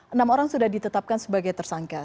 enam orang sudah ditetapkan sebagai tersangka